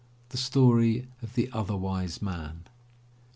The Story of the Other Wise Man.